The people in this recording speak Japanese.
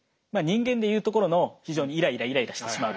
人間で言うところの非常にイライライライラしてしまうと。